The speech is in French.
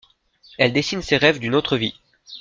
Elle dessine ses rêves d'une autre vie.